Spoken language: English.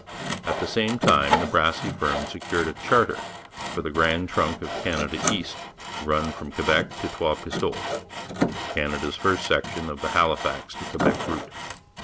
At the same time the Brassey firm secured a charter for the Grand Trunk of Canada East, to run from Quebec to Trois Pistoles Canada's first section of the Halifax to Quebec route.